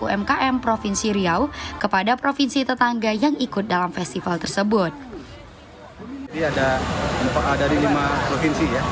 umkm provinsi riau kepada provinsi tetangga yang ikut dalam festival tersebut jadi ada dari lima provinsi ya